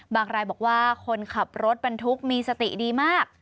บางรายบอกว่าคนขับรถปันทุกข์มีสติดีมาก